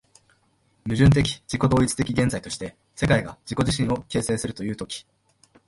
矛盾的自己同一的現在として、世界が自己自身を形成するという時、